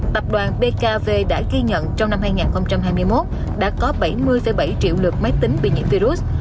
tập đoàn bkv đã ghi nhận trong năm hai nghìn hai mươi một đã có bảy mươi bảy triệu lượt máy tính bị nhiễm virus